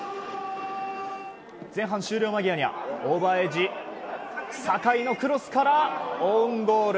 前半終了間際にはオーバーエージ酒井のクロスからオウンゴール。